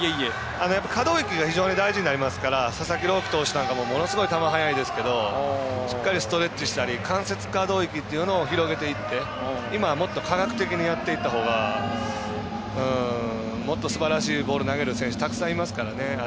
可動域がとても大事なりますから佐々木朗希投手なんかもものすごく球、速いですけどしっかりストレッチしたり関節可動域を広げていって今は科学的にやっていったほうがもっとすばらしいボール投げる選手たくさんいますからね。